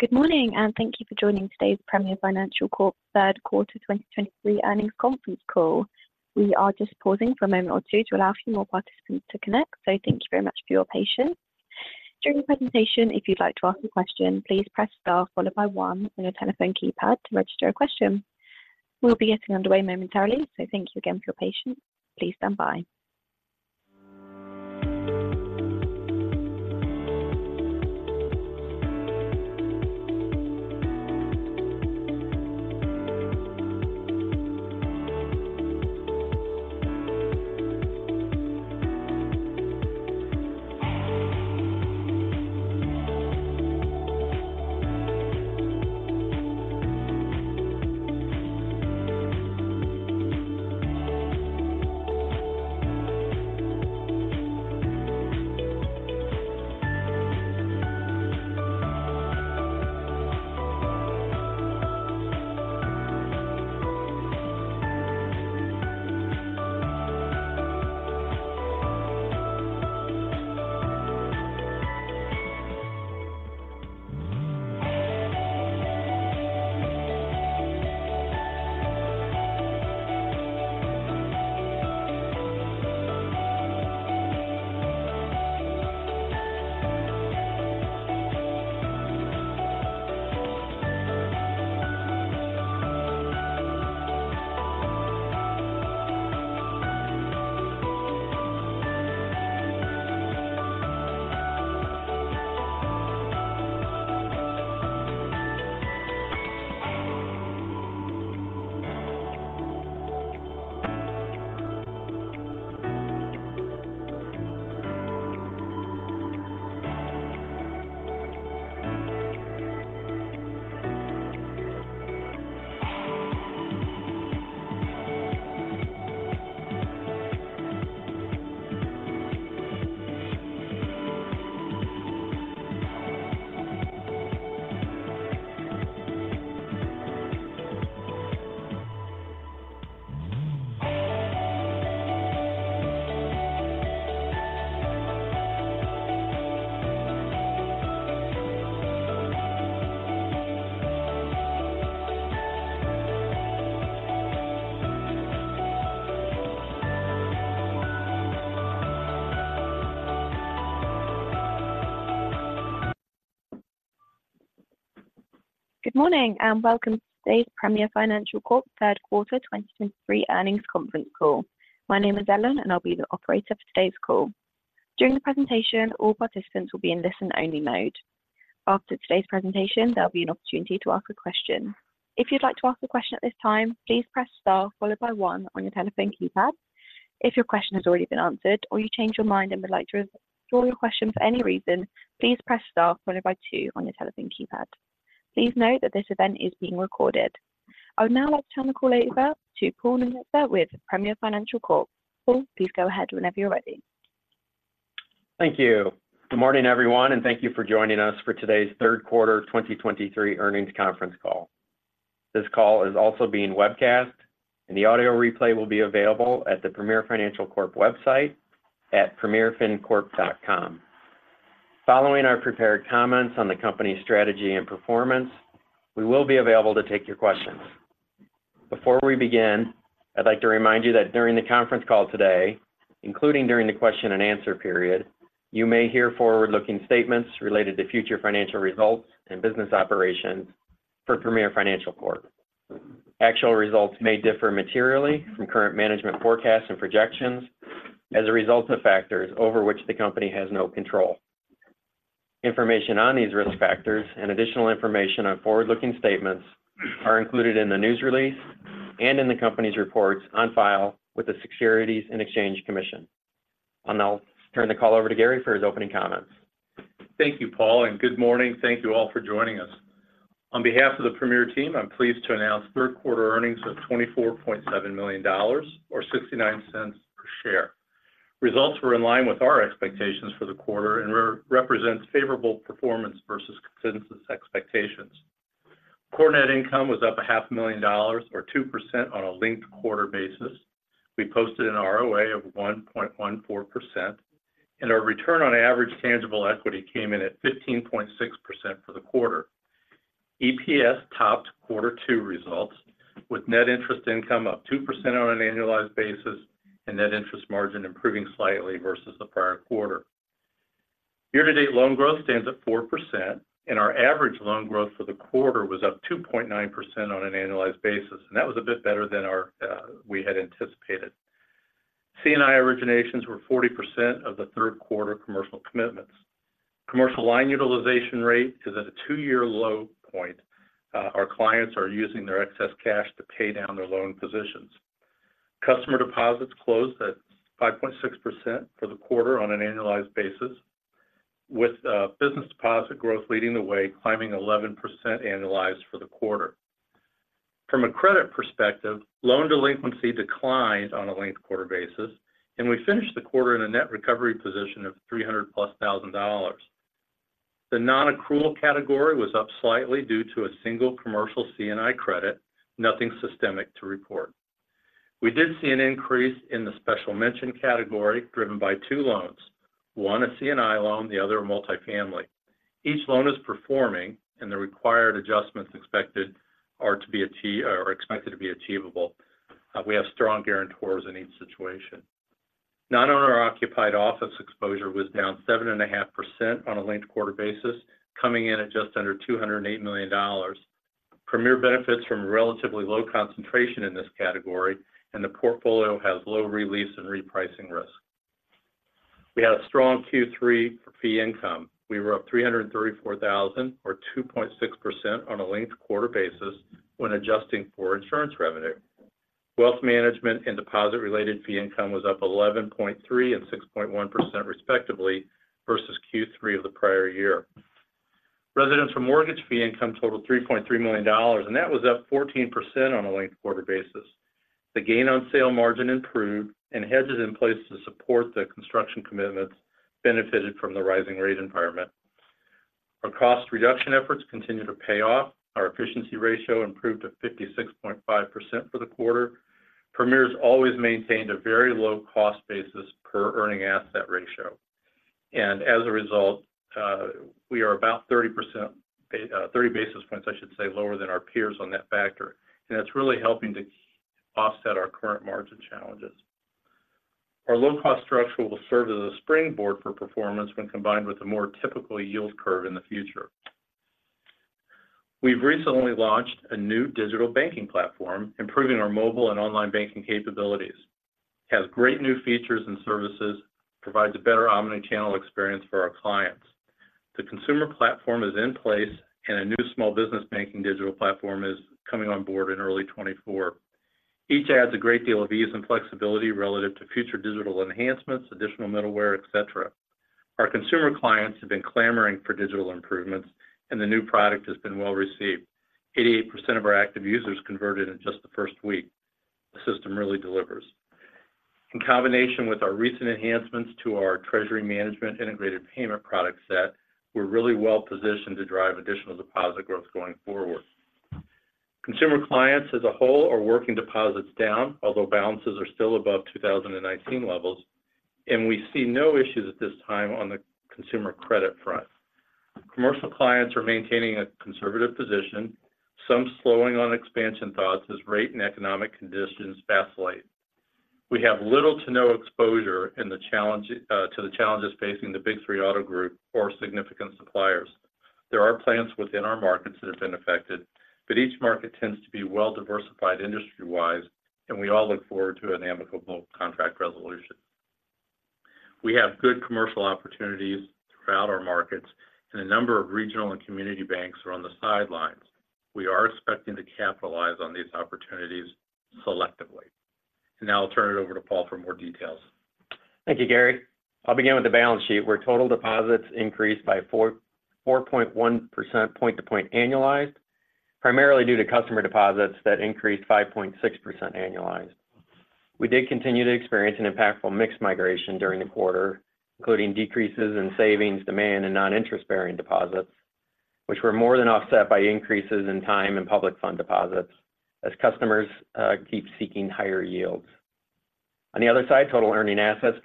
Good morning, and thank you for joining today's Premier Financial Corp. Third Quarter 2023 Earnings conference call. We are just pausing for a moment or two to allow a few more participants to connect. So thank you very much for your patience. During the presentation, if you'd like to ask a question, please press star followed by one on your telephone keypad to register a question. We'll be getting underway momentarily, so thank you again for your patience. Please stand by. Good morning and welcome to today's Premier Financial Corp. Third Quarter 2023 Earnings conference call. My name is Ellen, and I'll be the operator for today's call. During the presentation, all participants will be in listen-only mode. After today's presentation, there'll be an opportunity to ask a question. If you'd like to ask a question at this time, please press star followed by one on your telephone keypad. If your question has already been answered or you change your mind and would like to withdraw your question for any reason, please press star followed by two on your telephone keypad. Please note that this event is being recorded. I would now like to turn the call over to Paul Nungester with Premier Financial Corp. Paul, please go ahead whenever you're ready. Thank you. Good morning, everyone, and thank you for joining us for today's third quarter 2023 earnings conference call. This call is also being webcast, and the audio replay will be available at the Premier Financial Corp website at premierfincorp.com. Following our prepared comments on the company's strategy and performance, we will be available to take your questions. Before we begin, I'd like to remind you that during the conference call today, including during the question and answer period, you may hear forward-looking statements related to future financial results and business operations for Premier Financial Corp. Actual results may differ materially from current management forecasts and projections as a result of factors over which the company has no control. Information on these risk factors and additional information on forward-looking statements are included in the news release and in the company's reports on file with the Securities and Exchange Commission. I'll now turn the call over to Gary for his opening comments. Thank you, Paul, and good morning. Thank you all for joining us. On behalf of the Premier team, I'm pleased to announce third quarter earnings of $24.7 million or $0.69 per share. Results were in line with our expectations for the quarter and represents favorable performance versus consensus expectations. Core net income was up $500,000 or 2% on a linked quarter basis. We posted an ROA of 1.14%, and our return on average tangible equity came in at 15.6% for the quarter. EPS topped quarter two results, with net interest income up 2% on an annualized basis and net interest margin improving slightly versus the prior quarter. Year-to-date loan growth stands at 4%, and our average loan growth for the quarter was up 2.9% on an annualized basis, and that was a bit better than our, we had anticipated. C&I originations were 40% of the third quarter commercial commitments. Commercial line utilization rate is at a two-year low point. Our clients are using their excess cash to pay down their loan positions. Customer deposits closed at 5.6% for the quarter on an annualized basis, with, business deposit growth leading the way, climbing 11% annualized for the quarter. From a credit perspective, loan delinquency declined on a linked-quarter basis, and we finished the quarter in a net recovery position of $300,000+. The non-accrual category was up slightly due to a single commercial C&I credit. Nothing systemic to report. We did see an increase in the special mention category, driven by two loans. One, a C&I loan, the other, multifamily. Each loan is performing, and the required adjustments expected are expected to be achievable. We have strong guarantors in each situation. Non-owner occupied office exposure was down 7.5% on a linked quarter basis, coming in at just under $208 million. Premier benefits from relatively low concentration in this category, and the portfolio has low release and repricing risk. We had a strong Q3 fee income. We were up $334,000 or 2.6% on a linked quarter basis when adjusting for insurance revenue. Wealth management and deposit-related fee income was up 11.3% and 6.1% respectively versus Q3 of the prior year. Residential mortgage fee income totaled $3.3 million, and that was up 14% on a linked quarter basis. The gain on sale margin improved and hedges in place to support the construction commitments benefited from the rising rate environment. Our cost reduction efforts continue to pay off. Our efficiency ratio improved to 56.5% for the quarter. Premier's always maintained a very low cost basis per earning asset ratio, and as a result, we are about 30%, 30 basis points, I should say, lower than our peers on that factor. And that's really helping to offset our current margin challenges. Our low-cost structure will serve as a springboard for performance when combined with a more typical yield curve in the future. We've recently launched a new digital banking platform, improving our mobile and online banking capabilities. It has great new features and services, provides a better omnichannel experience for our clients. The consumer platform is in place, and a new small business banking digital platform is coming on board in early 2024. Each adds a great deal of ease and flexibility relative to future digital enhancements, additional middleware, et cetera. Our consumer clients have been clamoring for digital improvements, and the new product has been well received. 88% of our active users converted in just the first week. The system really delivers. In combination with our recent enhancements to our treasury management integrated payment product set, we're really well positioned to drive additional deposit growth going forward. Consumer clients as a whole are working deposits down, although balances are still above 2019 levels, and we see no issues at this time on the consumer credit front. Commercial clients are maintaining a conservative position, some slowing on expansion thoughts as rate and economic conditions vacillate. We have little to no exposure in the challenge, to the challenges facing the Big Three auto group or significant suppliers. There are plants within our markets that have been affected, but each market tends to be well-diversified industry-wise, and we all look forward to an amicable contract resolution. We have good commercial opportunities throughout our markets, and a number of regional and community banks are on the sidelines. We are expecting to capitalize on these opportunities selectively. And now I'll turn it over to Paul for more details. Thank you, Gary. I'll begin with the balance sheet, where total deposits increased by 4.41% point-to-point annualized, primarily due to customer deposits that increased 5.6% annualized. We did continue to experience an impactful mix migration during the quarter, including decreases in savings, demand, and non-interest-bearing deposits, which were more than offset by increases in time and public fund deposits as customers keep seeking higher yields. On the other side, total earning assets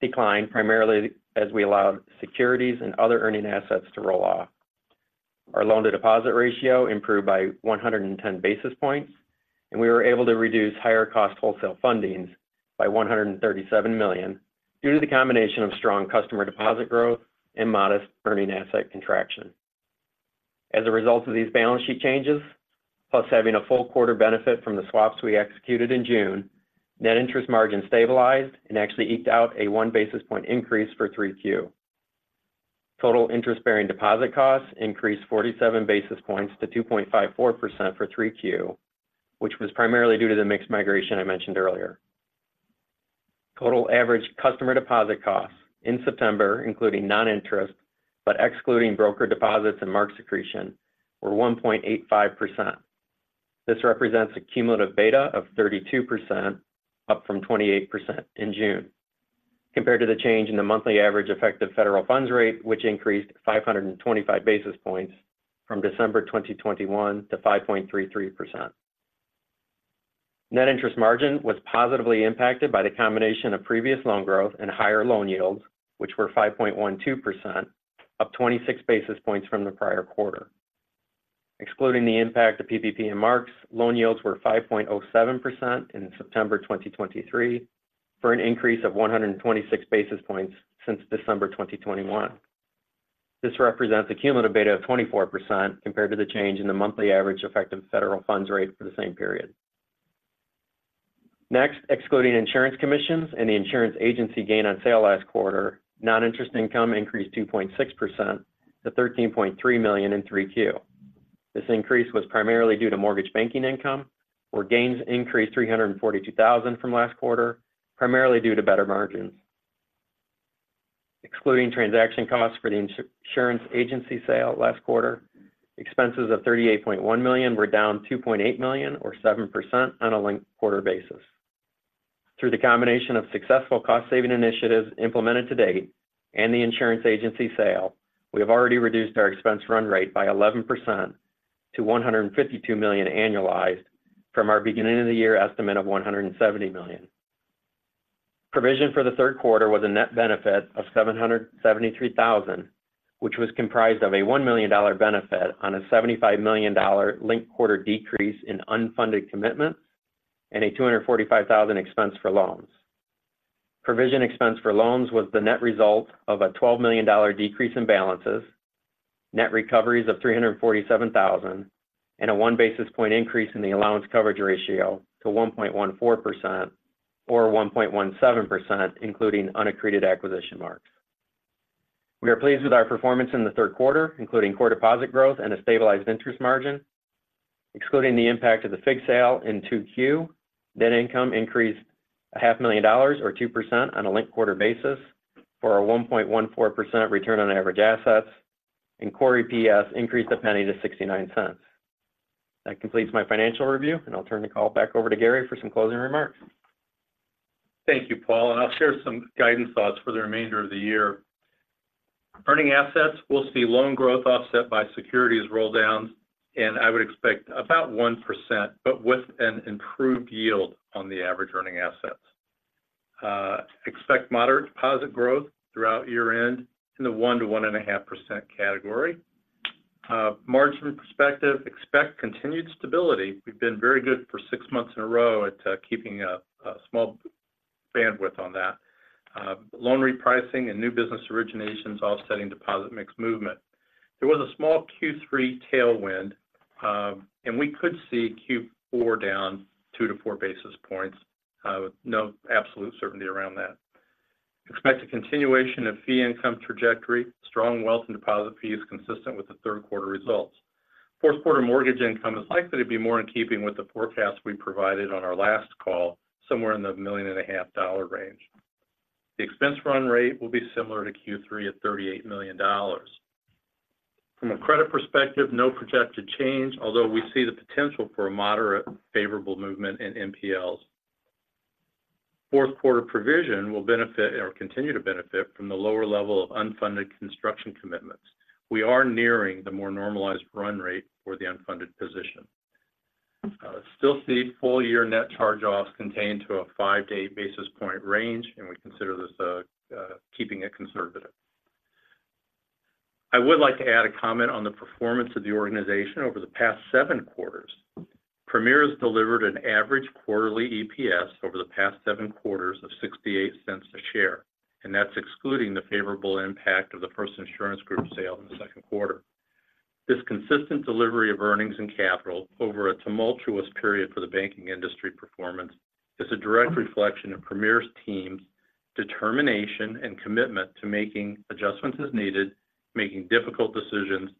declined, primarily as we allowed securities and other earning assets to roll off. Our loan-to-deposit ratio improved by 110 basis points, and we were able to reduce higher-cost wholesale fundings by $137 million due to the combination of strong customer deposit growth and modest earning asset contraction. As a result of these balance sheet changes, plus having a full quarter benefit from the swaps we executed in June, net interest margin stabilized and actually eked out a 1 basis point increase for Q3. Total interest-bearing deposit costs increased 47 basis points to 2.54% for Q3, which was primarily due to the mix migration I mentioned earlier. Total average customer deposit costs in September, including noninterest-bearing, but excluding broker deposits and marked securities, were 1.85%. This represents a cumulative beta of 32%, up from 28% in June, compared to the change in the monthly average effective federal funds rate, which increased 525 basis points from December 2021 to 5.33%. Net interest margin was positively impacted by the combination of previous loan growth and higher loan yields, which were 5.12%, up 26 basis points from the prior quarter. Excluding the impact of PPP and marks, loan yields were 5.07% in September 2023, for an increase of 126 basis points since December 2021. This represents a cumulative beta of 24% compared to the change in the monthly average effective federal funds rate for the same period. Next, excluding insurance commissions and the insurance agency gain on sale last quarter, non-interest income increased 2.6% to $13.3 million in 3Q. This increase was primarily due to mortgage banking income, where gains increased $342,000 from last quarter, primarily due to better margins. Excluding transaction costs for the insurance agency sale last quarter, expenses of $38.1 million were down $2.8 million, or 7% on a linked quarter basis. Through the combination of successful cost-saving initiatives implemented to date and the insurance agency sale, we have already reduced our expense run rate by 11% to $152 million annualized from our beginning of the year estimate of $170 million. Provision for the third quarter was a net benefit of $773,000, which was comprised of a $1 million benefit on a $75 million linked quarter decrease in unfunded commitments and a $245,000 expense for loans. Provision expense for loans was the net result of a $12 million decrease in balances, net recoveries of $347,000, and a 1 basis point increase in the allowance coverage ratio to 1.14% or 1.17%, including unaccreted acquisition marks. We are pleased with our performance in the third quarter, including core deposit growth and a stabilized interest margin. Excluding the impact of the FIG sale in 2Q, net income increased $500,000 or 2% on a linked-quarter basis for a 1.14% return on average assets, and core EPS increased $0.01-$0.69. That completes my financial review, and I'll turn the call back over to Gary for some closing remarks. Thank you, Paul, and I'll share some guidance thoughts for the remainder of the year. Earning assets will see loan growth offset by securities roll down, and I would expect about 1%, but with an improved yield on the average earning assets. Expect moderate deposit growth throughout year-end in the 1%-1.5% category. Margin perspective, expect continued stability. We've been very good for six months in a row at keeping a small bandwidth on that. Loan repricing and new business originations offsetting deposit mix movement. There was a small Q3 tailwind, and we could see Q4 down two to four basis points, with no absolute certainty around that. Expect a continuation of fee income trajectory, strong wealth and deposit fees consistent with the third quarter results. Fourth quarter mortgage income is likely to be more in keeping with the forecast we provided on our last call, somewhere in the $1.5 million range. The expense run rate will be similar to Q3 at $38 million. From a credit perspective, no projected change, although we see the potential for a moderate favorable movement in NPLs. Fourth quarter provision will benefit or continue to benefit from the lower level of unfunded construction commitments. We are nearing the more normalized run rate for the unfunded position. Still see full year net charge-offs contained to a five to eight basis point range, and we consider this keeping it conservative. I would like to add a comment on the performance of the organization over the past seven quarters. Premier has delivered an average quarterly EPS over the past seven quarters of $0.68 a share, and that's excluding the favorable impact of the First Insurance Group sale in the second quarter. This consistent delivery of earnings and capital over a tumultuous period for the banking industry performance is a direct reflection of Premier's team's determination and commitment to making adjustments as needed, making difficult decisions,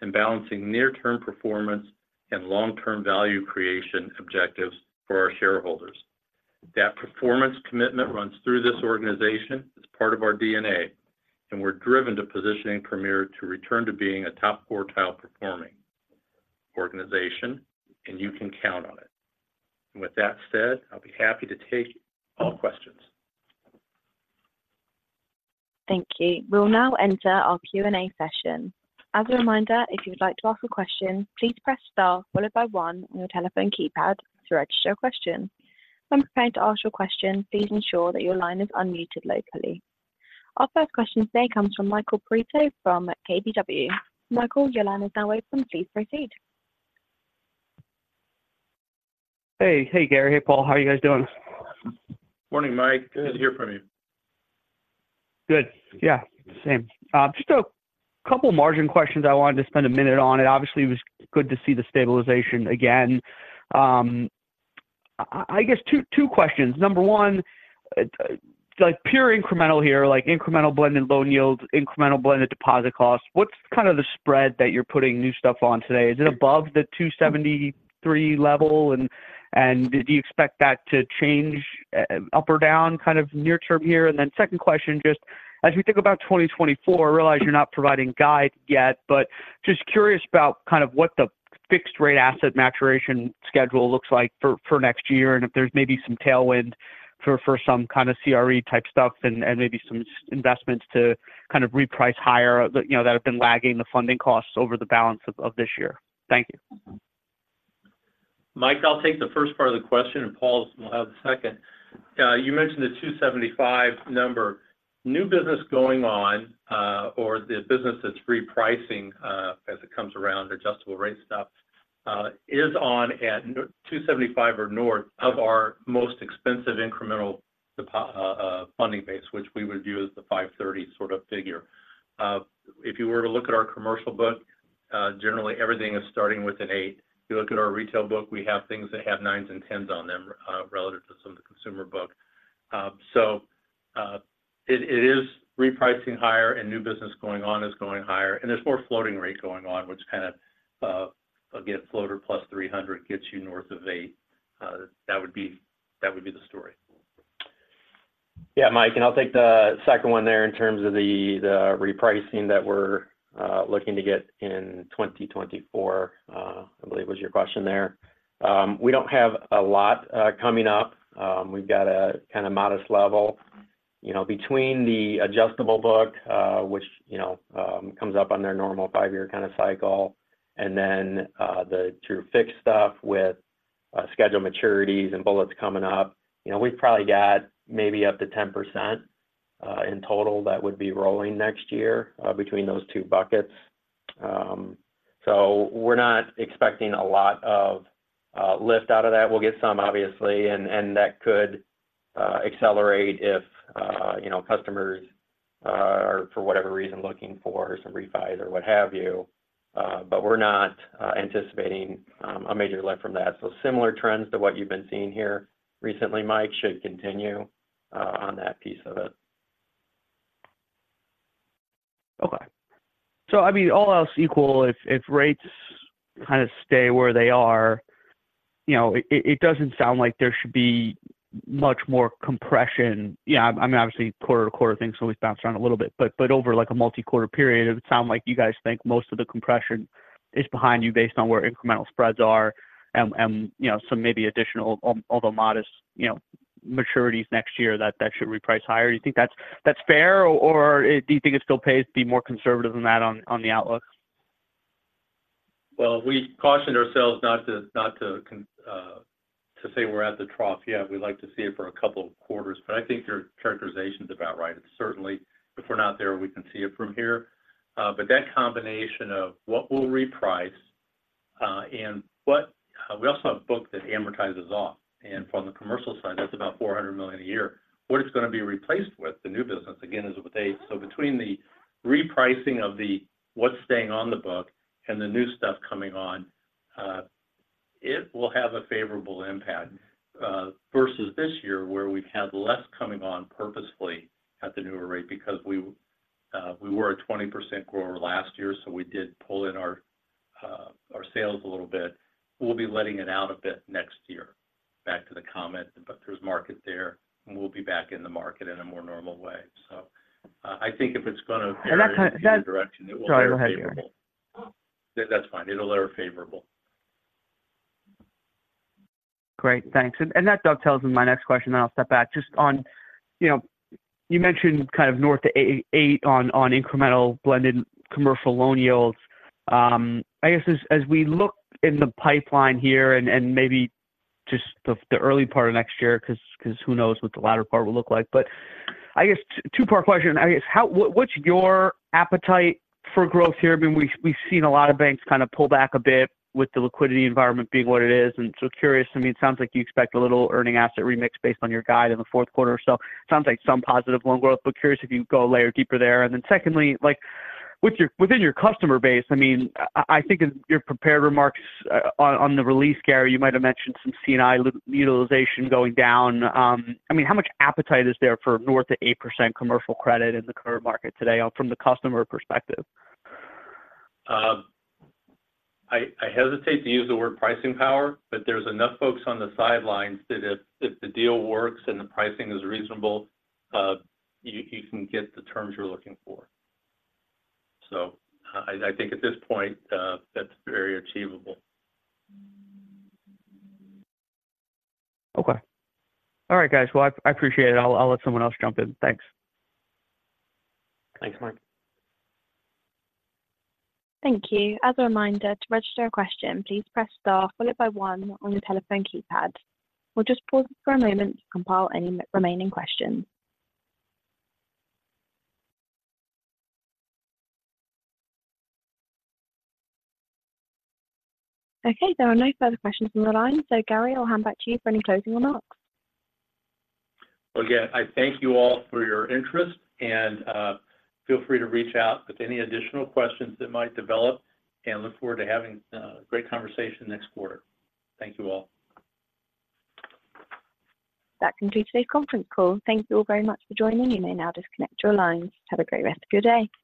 and balancing near-term performance and long-term value creation objectives for our shareholders. That performance commitment runs through this organization. It's part of our DNA, and we're driven to positioning Premier to return to being a top quartile performing organization, and you can count on it. With that said, I'll be happy to take all questions. Thank you. We'll now enter our Q&A session. As a reminder, if you would like to ask a question, please press star followed by one on your telephone keypad to register your question. When preparing to ask your question, please ensure that your line is unmuted locally. Our first question today comes from Michael Perito from KBW. Michael, your line is now open. Please proceed. Hey. Hey, Gary. Hey, Paul. How are you guys doing? Morning, Mike. Good to hear from you. Good. Yeah, same. Just a couple margin questions I wanted to spend a minute on, and obviously, it was good to see the stabilization again. I guess two questions. Number one, like, pure incremental here, like incremental blend and loan yields, incremental blend and deposit costs, what's kind of the spread that you're putting new stuff on today? Is it above the 273 level and do you expect that to change up or down, kind of near term here? And then second question, just as we think about 2024, I realize you're not providing guidance yet, but just curious about kind of what the fixed rate asset maturity schedule looks like for next year, and if there's maybe some tailwind for some kind of CRE type stuff and maybe some investments to kind of reprice higher, that, you know, that have been lagging the funding costs over the balance of this year. Thank you. Mike, I'll take the first part of the question, and Paul will have the second. You mentioned the 275 number. New business going on, or the business that's repricing, as it comes around, adjustable rate stuff, is on at 275 or north of our most expensive incremental deposit funding base, which we would view as the 530 sort of figure. If you were to look at our commercial book, generally everything is starting with an 8%. If you look at our retail book, we have things that have nines and 10s on them, relative to some of the consumer book. So, it is repricing higher and new business going on is going higher, and there's more floating rate going on, which kind of, again, floater plus 300 gets you north of 8%. That would be, that would be the story.... Yeah, Mike, and I'll take the second one there in terms of the, the repricing that we're looking to get in 2024, I believe was your question there. We don't have a lot coming up. We've got a kind of modest level, you know, between the adjustable book, which, you know, comes up on their normal five year kind of cycle, and then the true fixed stuff with scheduled maturities and bullets coming up. You know, we've probably got maybe up to 10% in total that would be rolling next year, between those two buckets. So we're not expecting a lot of lift out of that. We'll get some, obviously, and that could accelerate if, you know, customers are, for whatever reason, looking for some refi or what have you. But we're not anticipating a major lift from that. So similar trends to what you've been seeing here recently, Mike, should continue on that piece of it. Okay. So I mean, all else equal, if rates kind of stay where they are, you know, it doesn't sound like there should be much more compression. Yeah, I mean, obviously, quarter-to-quarter, things always bounce around a little bit, but over like a multi-quarter period, it would sound like you guys think most of the compression is behind you based on where incremental spreads are and, you know, some maybe additional, although modest, you know, maturities next year, that should reprice higher. Do you think that's fair, or do you think it still pays to be more conservative than that on the outlook? Well, we cautioned ourselves not to, not to say we're at the trough yet. We'd like to see it for a couple of quarters, but I think your characterization is about right. It's certainly, if we're not there, we can see it from here. But that combination of what we'll reprice, and we also have a book that amortizes off, and from the commercial side, that's about $400 million a year. What it's going to be replaced with, the new business, again, is So between the repricing of the what's staying on the book and the new stuff coming on, it will have a favorable impact versus this year, where we've had less coming on purposefully at the newer rate because we were at 20% grower last year, so we did pull in our sales a little bit. We'll be letting it out a bit next year. Back to the comment, but there's market there, and we'll be back in the market in a more normal way. So I think if it's going to- And that kind-- in that direction, it will be favorable. Sorry, go ahead. That's fine. It'll look favorable. Great, thanks. And that dovetails into my next question, then I'll step back. Just on, you know, you mentioned kind of north of 8% on incremental blended commercial loan yields. I guess as we look in the pipeline here and maybe just the early part of next year, because who knows what the latter part will look like. But I guess two-part question, I guess, what's your appetite for growth here? I mean, we've seen a lot of banks kind of pull back a bit with the liquidity environment being what it is. And so curious, I mean, it sounds like you expect a little earning asset remix based on your guide in the fourth quarter. So sounds like some positive loan growth, but curious if you go a layer deeper there. And then secondly, like, with your—within your customer base, I mean, I think in your prepared remarks on, on the release, Gary, you might have mentioned some C&I utilization going down. I mean, how much appetite is there for north of 8% commercial credit in the current market today from the customer perspective? I hesitate to use the word pricing power, but there's enough folks on the sidelines that if the deal works and the pricing is reasonable, you can get the terms you're looking for. So I think at this point, that's very achievable. Okay. All right, guys. Well, I appreciate it. I'll let someone else jump in. Thanks. Thanks, Mike. Thank you. As a reminder, to register a question, please press star followed by one on your telephone keypad. We'll just pause for a moment to compile any remaining questions. Okay, there are no further questions on the line, so Gary, I'll hand back to you for any closing remarks. Well, again, I thank you all for your interest, and, feel free to reach out with any additional questions that might develop, and look forward to having a great conversation next quarter. Thank you all. That concludes today's conference call. Thank you all very much for joining. You may now disconnect your lines. Have a great rest of your day.